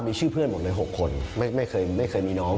มีชื่อเพื่อนหมดเลย๖คนไม่เคยมีน้อง